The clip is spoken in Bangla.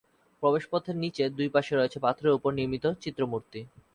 প্রবেশ পথের নিচে দুইপাশে রয়েছে পাথরের উপর নির্মিত চিত্র-মূর্তি।